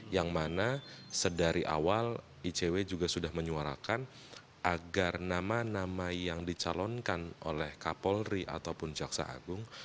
yang mana sedari awal icw juga sudah menyuarakan agar nama nama yang dicalonkan oleh kapolri ataupun jaksa agung